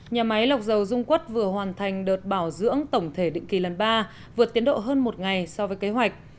nhà máy lọc dầu dung quất vừa hoàn thành đợt bảo dưỡng tổng thể định kỳ lần ba vượt tiến độ hơn một ngày so với kế hoạch